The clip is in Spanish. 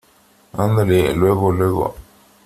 andele , luego , luego .